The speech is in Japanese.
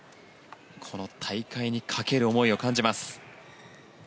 この大会にかける思いを感じます。